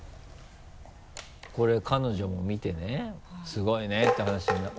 これ彼女も見てね「すごいね」って話になって。